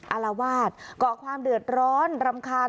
อารวาสก่อความเดือดร้อนรำคาญ